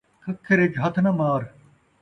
کھکھر ءِچ ہتھ ناں مار